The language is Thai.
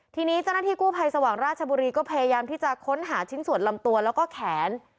ทีนี้เจ้าหน้าที่กู้ภัยสว่างราชบุรีก็พยายามที่จะค้นหาชิ้นส่วนลำตัวแล้วก็แขน